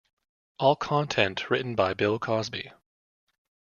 All content written by Bill Cosby.